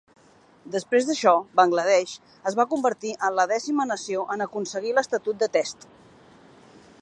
Després d'això, Bangladesh es va convertir en la dècima nació en aconseguir l'estatut de Test.